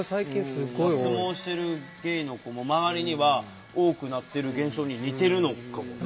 脱毛してるゲイの子も周りには多くなってる現象に似てるのかもね。